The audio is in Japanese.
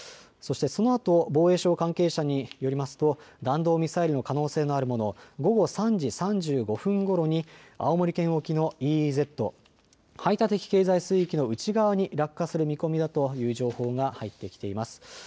そしてそのあと防衛省関係者によりますと弾道ミサイルの可能性のあるもの、午後３時３５分ごろに青森県沖のＥＥＺ・排他的経済水域の内側に落下する見込みだという情報が入ってきています。